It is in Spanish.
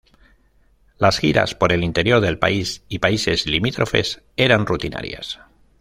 Las giras por el interior del país y países limítrofes eran rutinarias.